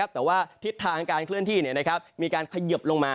แต่ว่าทิศทางการเคลื่อนที่มีการเขยิบลงมา